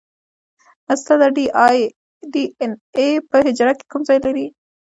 استاده ډي این اې په حجره کې کوم ځای لري